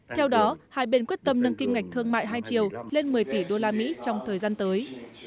theo đó hai bên quyết tâm nâng kim ngạch thương mại hai triệu lên một mươi tỷ usd trong thời gian tới